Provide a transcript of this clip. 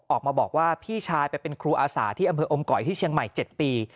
ออกมาบอกว่าพี่ชายไปเป็นครูอาสาที่อำเภออมก่อยที่เชียงใหม่๗ปี